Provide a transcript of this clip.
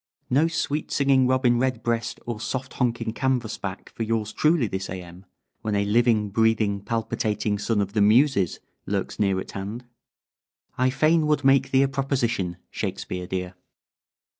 No sweet singing robin redbreast or soft honking canvasback for yours truly this A.M., when a living, breathing, palpitating son of the Muses lurks near at hand. I fain would make thee a proposition, Shakespeare dear!"